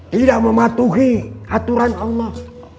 tidak mematuhi aturan allah